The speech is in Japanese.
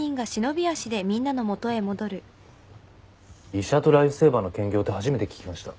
医者とライフセーバーの兼業って初めて聞きました。